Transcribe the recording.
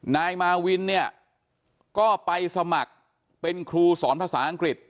นายมาวินเนี่ยก็ไปสมัครเป็นครูสอนภาษาอังกฤษ